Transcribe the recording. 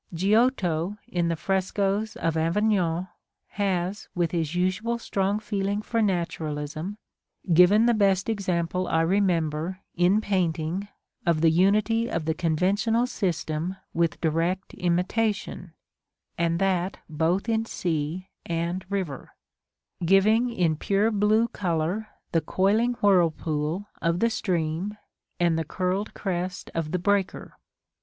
Giotto, in the frescoes of Avignon, has, with his usual strong feeling for naturalism, given the best example I remember, in painting, of the unity of the conventional system with direct imitation, and that both in sea and river; giving in pure blue color the coiling whirlpool of the stream, and the curled crest of the breaker.